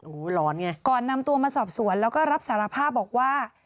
โอ้โหหลอนไงก่อนนำตัวมาสอบสวนแล้วก็รับสารภาพบอกว่า